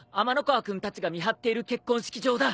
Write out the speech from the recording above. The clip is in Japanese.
河君たちが見張っている結婚式場だ。